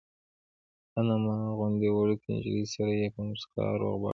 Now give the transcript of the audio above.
ان له ما غوندې وړوکې نجلۍ سره یې په موسکا روغبړ کاوه.